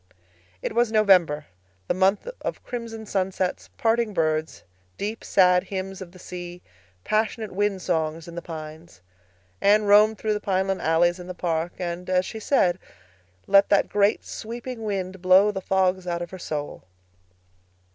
It was November—the month of crimson sunsets, parting birds, deep, sad hymns of the sea, passionate wind songs in the pines. Anne roamed through the pineland alleys in the park and, as she said, let that great sweeping wind blow the fogs out of her soul.